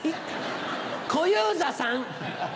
小遊三さん！